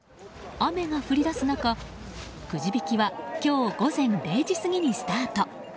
雨が降り出す中、くじ引きは今日午前０時過ぎにスタート。